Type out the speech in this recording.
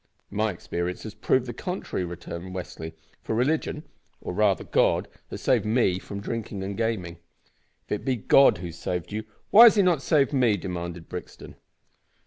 "My experience has proved the contrary," returned Westly, "for religion or, rather, God has saved me from drink and gaming." "If it be God who has saved you, why has He not saved me?" demanded Brixton.